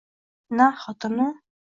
na xotini